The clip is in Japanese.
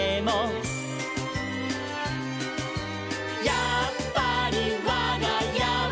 「やっぱりわがやは」